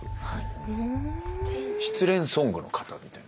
失恋ソングの型みたいな。